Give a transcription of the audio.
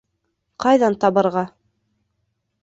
Ҡайҙан табырға?